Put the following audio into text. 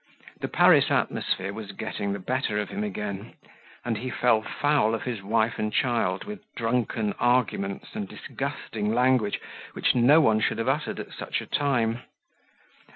The Paris atmosphere was getting the better of him again; and he fell foul of his wife and child with drunken arguments and disgusting language which no one should have uttered at such a time.